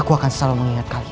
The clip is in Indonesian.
aku akan selalu mengingat kalian